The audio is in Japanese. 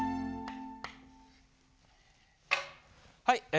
はい。